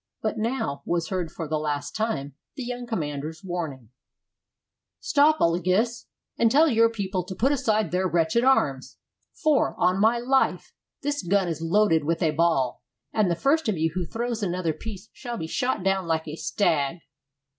But now was heard for the last time the young commander's warning: "Stop, Olagus, and tell your people to put aside their wretched arms; for, on my life, this gun is loaded with a ball, and the first of you who throws another piece shall be shot down like a stag."